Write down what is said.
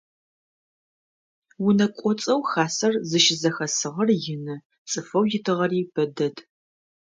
Унэ кӏоцӏэу хасэр зыщызэхэсыгъэр ины, цӏыфэу итыгъэри бэ дэд.